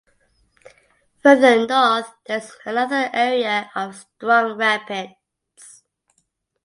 Further north there is another area of strong rapids.